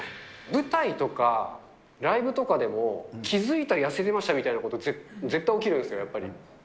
舞台とか、ライブとかでも、気付いたら痩せてましたみたいなこと、絶対起きるんですよ、やっぱり。